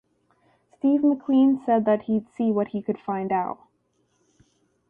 Steve McQueen said he'd see what he could find out.